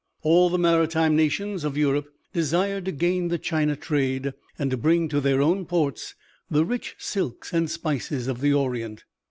All the maritime nations of Europe desired to gain the China trade and to bring to their own ports the rich silks and spices of the Orient.